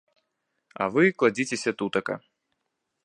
А вы кладзіцеся тутака.